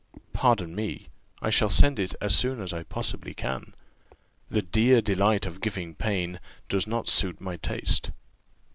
"Pardon me, I shall send it as soon as I possibly can: the 'dear delight of giving pain' does not suit my taste."